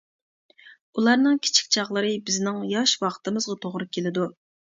ئۇلارنىڭ كىچىك چاغلىرى بىزنىڭ ياش ۋاقتىمىزغا توغرا كېلىدۇ.